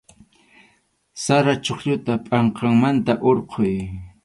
Sara chuqlluta pʼanqanmanta hurquy.